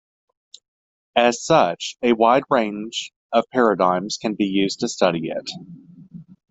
As such, a wide range of paradigms can be used to study it.